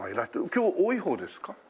今日多い方ですか？